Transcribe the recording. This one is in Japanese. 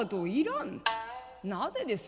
「なぜです。